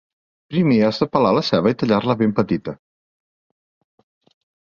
Primer has de pelar la ceba i tallar-la ben petita.